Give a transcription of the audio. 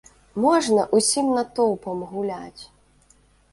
Можна ўсім натоўпам гуляць!